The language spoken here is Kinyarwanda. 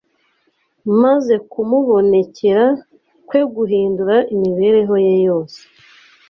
maze kumubonekera kwe guhindura imibereho ye yose